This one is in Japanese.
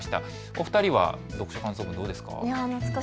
お二人は読書感想文どうですか。